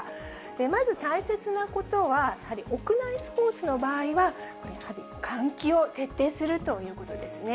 まず大切なことは、やはり屋内スポーツの場合は、換気を徹底するということですね。